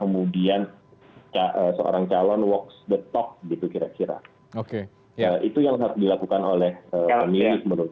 mas buset tambahan terakhir